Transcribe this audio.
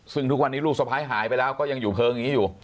ซึ่งทุกวันนี้ลูกสะพ้ายหายไปแล้วก็ยังอยู่เพลิงอย่างนี้อยู่